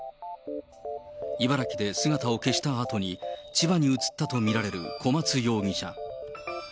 茨城で姿を消したあとに、千葉に移ったと見られる小松容疑者。